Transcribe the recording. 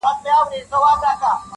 ډک له اوره مي لړمون دی نازوه مي -